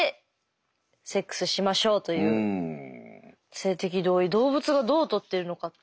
性的同意動物がどう取ってるのかっていう。